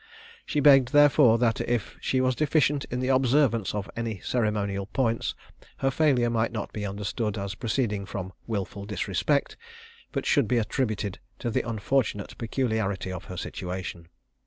She begged, therefore, that if she was deficient in the observance of any ceremonial points, her failure might not be understood as proceeding from wilful disrespect, but should be attributed to the unfortunate peculiarity of her situation.